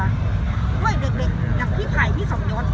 ด้วยเด็กอย่างพี่ไผ่พี่สมยศ